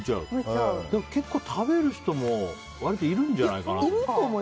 結構食べる人も割といるんじゃないかな。